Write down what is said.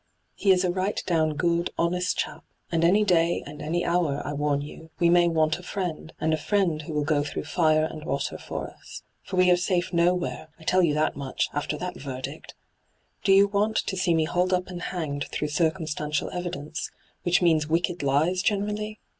He is a right down good, honest chap, and any day and any hour, I warn you, we may want a friend, and a friend who will go through fire and water for us. For we are safe nowhere — I tell you that much — after that verdict I Do you want to see me hauled up and hanged through circumstantial evidence — which means wicked lies, generally?